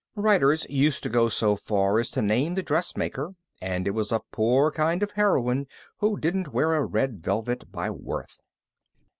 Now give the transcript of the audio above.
Writers used to go so far as to name the dressmaker; and it was a poor kind of a heroine who didn't wear a red velvet by Worth.